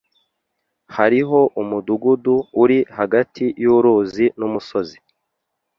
Hariho umudugudu uri hagati yuruzi numusozi